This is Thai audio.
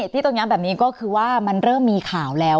ที่ต้องย้ำแบบนี้ก็คือว่ามันเริ่มมีข่าวแล้ว